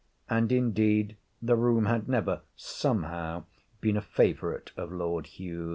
And, indeed, the room had never, somehow, been a favourite of Lord Hugh's.